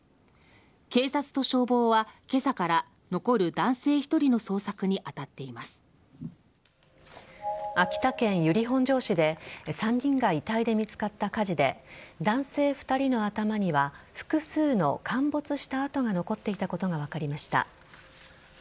警察と消防は今朝から残る男性１人の捜索に秋田県由利本荘市で３人が遺体で見つかった火事で男性２人の頭には複数の陥没した痕が残っていたことが分かりました。